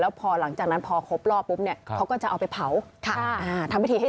แล้วพอหลังจากนั้นพอครบรอบปุ๊บเนี่ยเขาก็จะเอาไปเผาค่ะอ่าที่ที่ให้